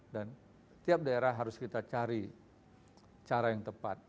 dan tiap daerah harus kita cari cara yang tepat